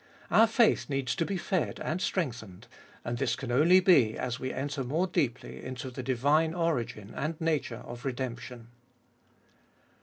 Our faith needs to be fed and strengthened, and this can only be as we enter more deeply into the divine origin and nature of redemption.